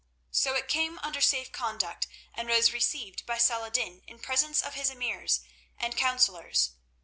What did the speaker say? So it came under safe conduct, and was received by Saladin in presence of his emirs and counsellors.